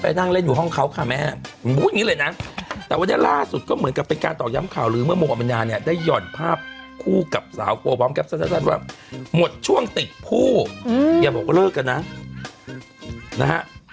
นั่งเล่นอยู่ห้องเขาค่ะแม่พูดอย่างนี้เลยนะแต่วันนี้ล่าสุดก็เหมือนกับเป็นการต่อย้ำข่าวลื้อเมื่อโมอมัญญาเนี่ยได้หย่อนภาพคู่กับสาวโกบอมแป๊บสั้นว่าหมดช่วงติดคู่อย่าบอกว่าเลิกกันนะนะฮะ